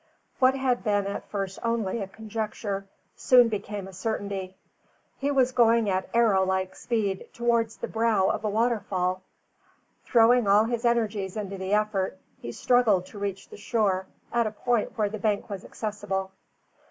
What had been at first only a conjecture, soon became a certainty. He was going at arrow like speed towards the brow of a waterfall. Throwing all his energies into the effort, he struggled to reach the shore at a point where the bank was accessible.